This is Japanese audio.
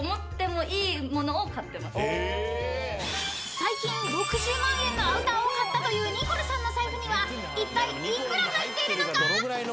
［最近６０万円のアウターを買ったというニコルさんの財布にはいったい幾ら入っているのか？］